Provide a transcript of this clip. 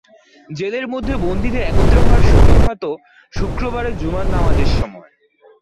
জেলের মধ্যে বন্দীদের একত্র হওয়ার সুযোগ হতো শুক্রবারে জুমার নামাজের সময়।